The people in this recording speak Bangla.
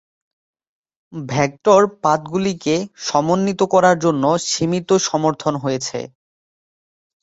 ভেক্টর পাথগুলিকে সমন্বিত করার জন্য সীমিত সমর্থন রয়েছে।